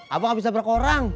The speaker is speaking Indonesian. abang gak bisa berke orang